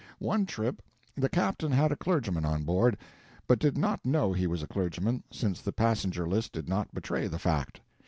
One trip the captain had a clergyman on board, but did not know he was a clergyman, since the passenger list did not betray the fact.